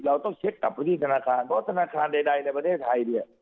เราต้องเช็คกลับไปที่ธนาคารเพราะธนาคารใดในประเทศไทยเนี่ย